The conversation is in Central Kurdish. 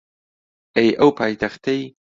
ئەی ئەو پایتەختەی